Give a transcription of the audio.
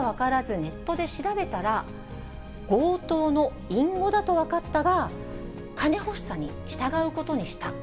ネットで調べたら、強盗の隠語だと分かったが、金欲しさに従うことにした。